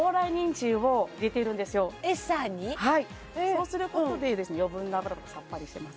はいそうすることで余分な脂もさっぱりしてます。